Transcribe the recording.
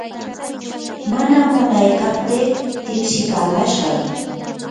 mana munaykaptii tipsimashqam.